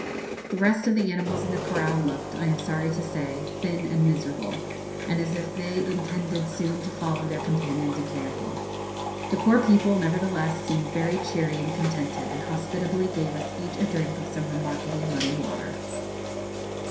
The rest of the animals in the corral looked, I am sorry to say, thin and miserable, and as if they intended soon to follow their companion's example. The poor people, nevertheless, seemed very cheery and contented, and hospitably gave us each a drink of some remarkably muddy water.